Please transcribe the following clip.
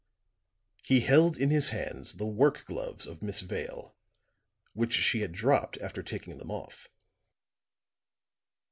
He held in his hands the work gloves of Miss Vale, which she had dropped after taking them off.